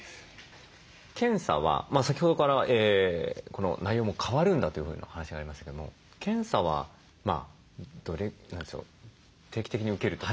検査は先ほどからこの内容も変わるんだというふうな話がありましたけども検査は定期的に受けるとか。